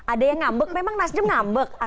ada yang ngambek memang nasdem ngambek